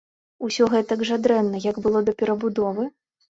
Усё гэтак жа дрэнна, як было да перабудовы?